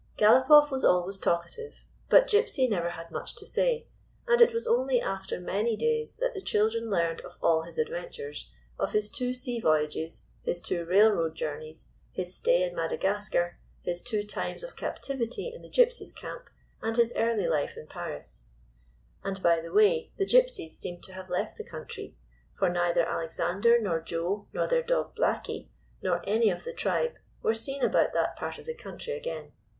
Galopoff was always talkative, but Gypsy never had much to say, and it was only after many days that the children learned of all his ad ventures — of his two sea voyages, his two railroad 230 IN SAFE HARBOR journeys, his stay in Madagascar, his two times of captivity in the Gypsies' camp, and his early life in Paris. And, by the way, the Gypsies seemed to have left the country, for neither Alexander nor Joe nor their dog Blacky nor any of the tribe were seen about that part of the country again.